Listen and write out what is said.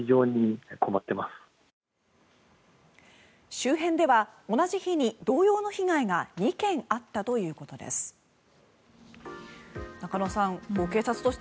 周辺では同じ日に同様の被害が２件あったということです。